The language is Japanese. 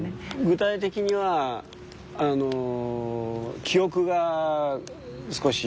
具体的にはあの記憶が少し。